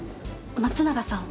松永さん